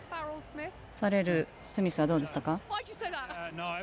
ファレルスミスはどうでしたか？